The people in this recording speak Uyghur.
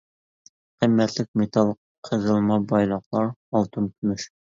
قىممەتلىك مېتال قېزىلما بايلىقلار: ئالتۇن، كۈمۈش.